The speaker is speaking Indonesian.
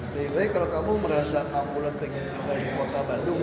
sebenarnya kalau kamu merasa ambulans pengen tinggal di kota bandung